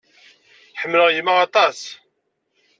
Ḥemmleɣ yemma aṭas.